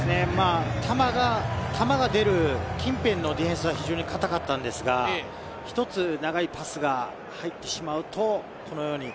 球が出る近辺のディフェンスは非常に堅かったんですが、一つ長いパスが入ってしまうと、このように。